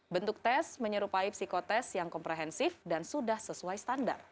bentuk tes menyerupai psikotest yang komprehensif dan sudah sesuai standar